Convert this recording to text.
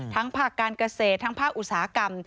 ภาคการเกษตรทั้งภาคอุตสาหกรรม